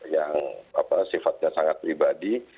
yang sifatnya sangat pribadi